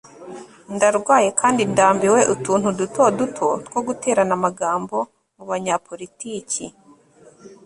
ndarwaye kandi ndambiwe utuntu duto duto two guterana amagambo mu banyapolitiki